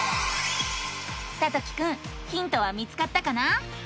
さときくんヒントは見つかったかな？